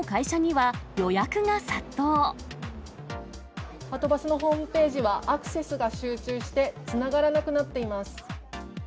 はとバスのホームページはアクセスが集中して、つながらなくなっています。